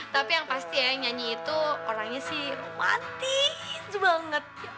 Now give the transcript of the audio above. tapi yang pasti ya yang nyanyi itu orangnya sih mati itu banget